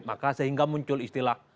maka sehingga muncul istilah